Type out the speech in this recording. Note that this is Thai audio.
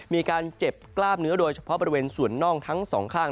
มีการเจ็บกล้ามเนื้อโดยเฉพาะบริเวณส่วนน่องทั้งสองข้าง